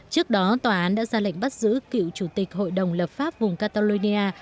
trước đó tòa án đã ra lệnh bắt giữ cựu chủ tịch hội đồng lập pháp vùng catalonia